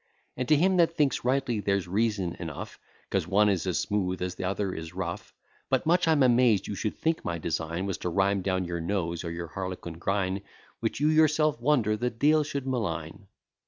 And to him that thinks rightly, there's reason enough, 'Cause one is as smooth as the other is rough. But much I'm amazed you should think my design Was to rhyme down your nose, or your harlequin grin, Which you yourself wonder the de'el should malign.